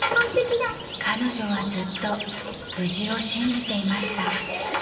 ［彼女はずっと無事を信じていました］